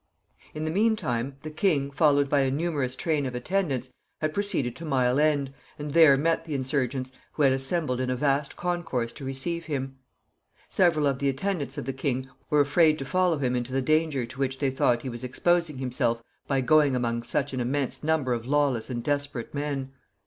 In the mean time, the king, followed by a numerous train of attendants, had proceeded to Mile End, and there met the insurgents, who had assembled in a vast concourse to receive him. Several of the attendants of the king were afraid to follow him into the danger to which they thought he was exposing himself by going among such an immense number of lawless and desperate men.